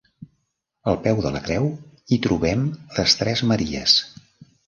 Al peu de la creu hi trobem les tres Maries.